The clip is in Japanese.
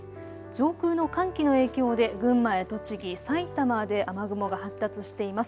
上空の寒気の影響で群馬や栃木、埼玉で雨雲が発達しています。